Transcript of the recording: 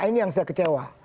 ini yang saya kecewa